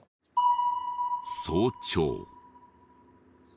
早朝。